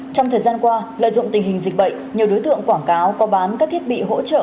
trong thời gian qua lợi dụng tình hình dịch bệnh nhiều đối tượng quảng cáo có bán các thiết bị hỗ trợ